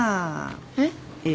えっ？